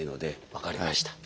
分かりました。